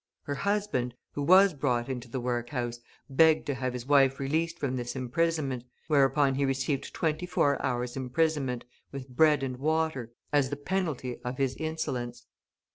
Her husband, who was brought into the workhouse, begged to have his wife released from this imprisonment, whereupon he received twenty four hours imprisonment, with bread and water, as the penalty of his insolence.